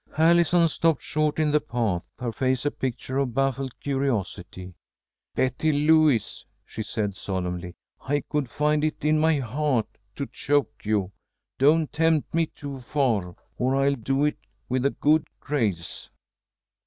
Allison stopped short in the path, her face a picture of baffled curiosity. "Betty Lewis," she said, solemnly, "I could find it in my heart to choke you. Don't tempt me too far, or I'll do it with a good grace."